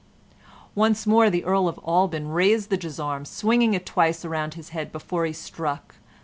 Once more the Earl of Alban raised the gisarm, swinging it twice around his head before he struck.